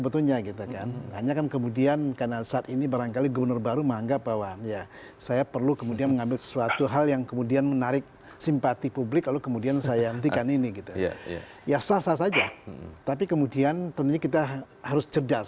tapi kemudian tentunya kita harus cerdas